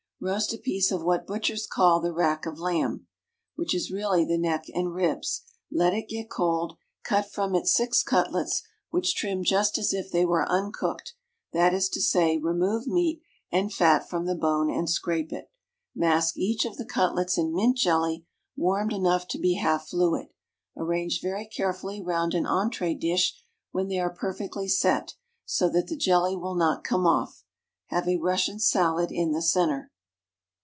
_ Roast a piece of what butchers call the rack of lamb, which is really the neck and ribs. Let it get cold; cut from it six cutlets, which trim just as if they were uncooked; that is to say, remove meat and fat from the bone, and scrape it. Mask each of the cutlets in mint jelly[101 *] warmed enough to be half fluid. Arrange very carefully round an entrée dish when they are perfectly set, so that the jelly will not come off. Have a Russian salad in the centre.